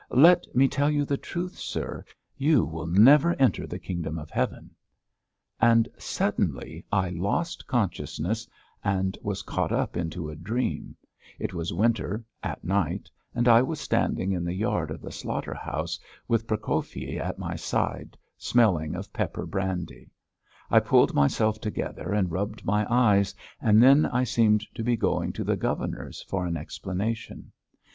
Let me tell you the truth, sir.... You will never enter the kingdom of heaven." And suddenly I lost consciousness and was caught up into a dream: it was winter, at night, and I was standing in the yard of the slaughter house with Prokofyi by my side, smelling of pepper brandy; I pulled myself together and rubbed my eyes and then I seemed to be going to the governor's for an explanation.